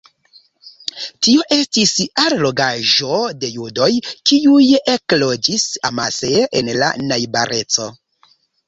Tio estis allogaĵo de judoj, kiuj ekloĝis amase en la najbareco.